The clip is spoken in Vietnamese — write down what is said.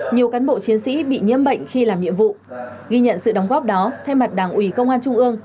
nhiều cán bộ chiến sĩ bị nhiễm bệnh khi làm nhiệm vụ ghi nhận sự đóng góp đó thay mặt đảng ủy công an trung ương